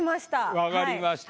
わかりました。